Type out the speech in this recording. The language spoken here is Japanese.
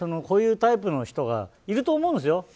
こういうタイプの人がいると思うんですよ。